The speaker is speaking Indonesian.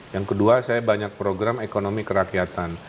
yang kedua saya banyak program ekonomi kerakyatan